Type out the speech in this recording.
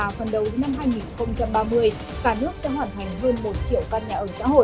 phần đầu đến năm hai nghìn ba mươi cả nước sẽ hoàn thành hơn một triệu căn nhà ở xã hội